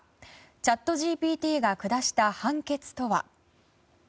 チャットＧＰＴが下した判決とは。